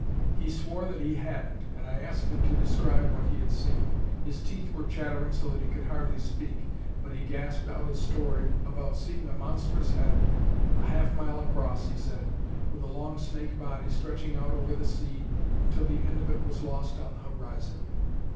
"He swore that he hadn't and I asked him to describe what he had seen. His teeth were chattering so that he could hardly speak, but he gasped out a story about seeing a monstrous head, a half mile across, he said, with a long snake body stretching out over the sea until the end of it was lost on the horizon.